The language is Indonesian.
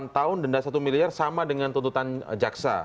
delapan tahun denda satu miliar sama dengan tuntutan jaksa